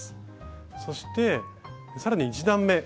そしてさらに１段め。